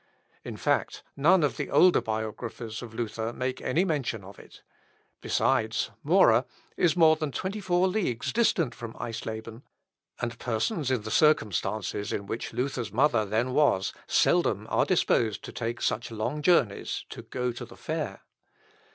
In fact, none of the older biographers of Luther make any mention of it. Besides, Mora is more than twenty four leagues distant from Eisleben, and persons in the circumstances in which Luther's mother then was seldom are disposed to take such long journeys to go to the fair.